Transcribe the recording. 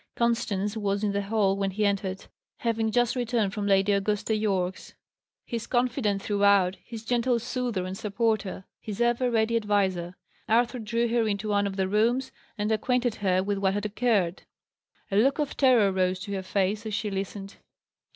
Constance was in the hall when he entered, having just returned from Lady Augusta Yorke's. His confidant throughout, his gentle soother and supporter, his ever ready adviser, Arthur drew her into one of the rooms, and acquainted her with what had occurred. A look of terror rose to her face, as she listened.